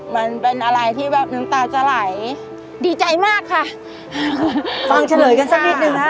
มันเป็นอะไรที่แบบน้ำตาจะไหลดีใจมากค่ะฟังเฉลยกันสักนิดนึงนะคะ